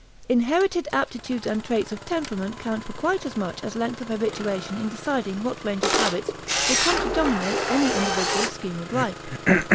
Inherited aptitudes and traits of temperament count for quite as much as length of habituation in deciding what range of habits will come to dominate any individual's scheme of life.